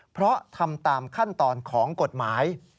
เพราะทำตามขั้นตอนของกฎหมาย